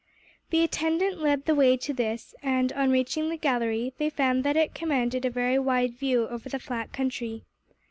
The attendant led the way to this and, on reaching the gallery, they found that it commanded a very wide view over the flat country.